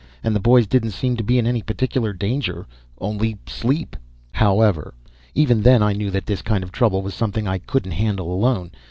And the boys didn't seem to be in any particular danger, only sleep. However, even then I knew that this kind of trouble was something I couldn't handle alone.